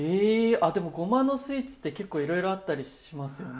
あでもごまのスイーツって結構いろいろあったりしますよね。